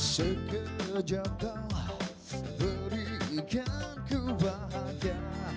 sekejap kau berikan ku bahagia